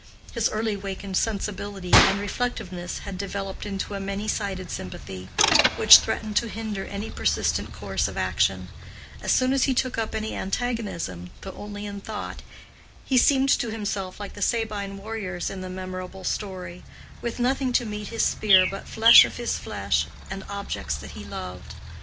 His early wakened sensibility and reflectiveness had developed into a many sided sympathy, which threatened to hinder any persistent course of action: as soon as he took up any antagonism, though only in thought, he seemed to himself like the Sabine warriors in the memorable story—with nothing to meet his spear but flesh of his flesh, and objects that he loved.